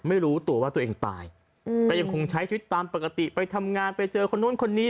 ไม่รู้ตัวว่าตัวเองตายอืมก็ยังคงใช้ชีวิตตามปกติไปทำงานไปเจอคนนู้นคนนี้